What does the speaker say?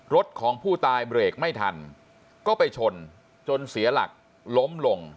รถของผู้ตายเบรกไม่ทันก็ไปชนจนเสียหลักล้มลง